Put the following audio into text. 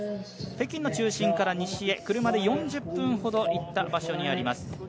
北京の中心からに市へ車で４０分ほど行ったところにあります。